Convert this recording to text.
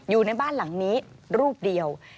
อยู่ในบ้านหลังนี้รูปเดียว